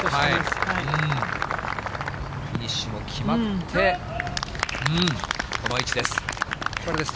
フィニッシュも決まって、この位置です。